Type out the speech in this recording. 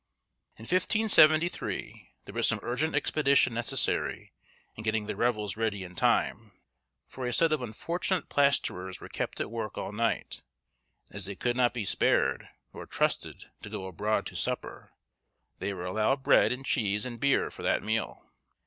In 1573, there was some urgent expedition necessary in getting the revels ready in time; for a set of unfortunate plasterers were kept at work all night, and as they could not be spared, nor trusted, to go abroad to supper, they were allowed bread, and cheese, and beer, for that meal.